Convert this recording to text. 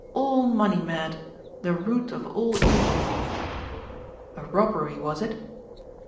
"All money mad. The root of all evil." "A robbery was it?"